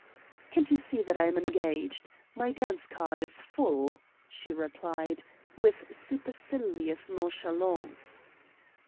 "Can't you see that I am engaged? My dance card is full," she replied, with supercilious nonchalance.